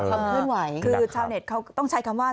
คือชาวเน็ตเขาต้องใช้คำว่า